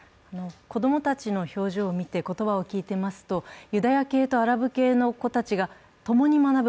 子供たちの表情を見て、言葉を聞いていますとユダヤ系とアラブ系の子たちが共に学ぶ